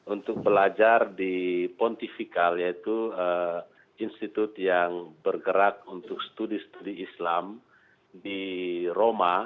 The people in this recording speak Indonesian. untuk belajar di pontifikal yaitu institut yang bergerak untuk studi studi islam di roma